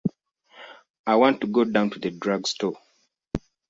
I want to go down to the drug-store.